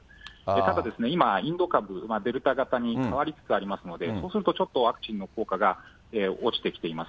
ただですね、今、インド株、デルタ型に変わりつつありますので、そうするとちょっとワクチンの効果が落ちてきています。